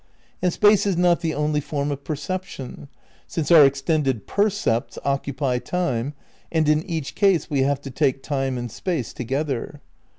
And space is not the only form of perception, since our extended percepts occupy time, and in each case we have to take time and space together.